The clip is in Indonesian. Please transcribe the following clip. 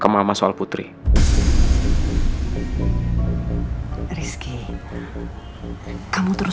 walaupun sama putri